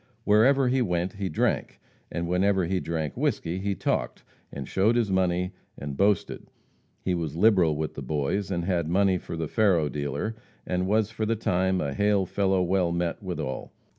Wherever he went he drank, and whenever he drank whisky he talked, and showed his money and boasted. He was liberal with the boys, had money for the faro dealer, and was for the time "a hale fellow well met" with all.